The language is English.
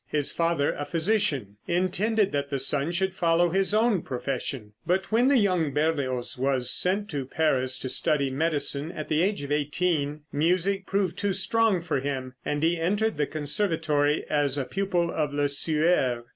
His father, a physician, intended that the son should follow his own profession, but when the young Berlioz was sent to Paris to study medicine, at the age of eighteen, music proved too strong for him, and he entered the Conservatory as a pupil of Lesueur.